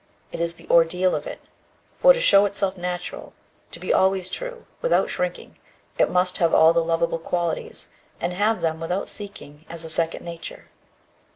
It is the ordeal of it, for to show itself natural, to be always true, without shrinking, it must have all the lovable qualities, and have them without seeking, as a second nature.